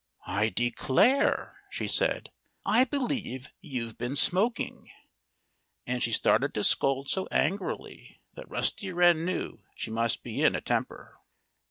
"I declare," she said, "I believe you've been smoking." And she started to scold so angrily that Rusty Wren knew she must be in a temper.